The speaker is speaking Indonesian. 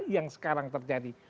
yang sekarang terjadi